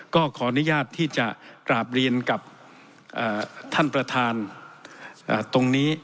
ก็ขออนุญาตที่จะกราบเรียนกับท่านประธานตรงนี้